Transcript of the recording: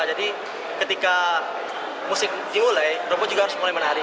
jadi ketika musik dimulai robot juga harus mulai menari